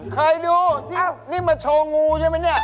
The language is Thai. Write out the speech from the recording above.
เคยดูสินี่มาโชว์งูใช่ไหมเนี่ย